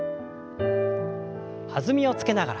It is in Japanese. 弾みをつけながら。